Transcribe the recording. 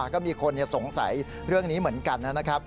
ก็มีคนทีมสงสัยเรื่องนี้เหมือนกันน่ะ